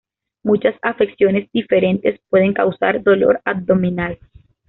Muchas afecciones diferentes pueden causar dolor abdominal.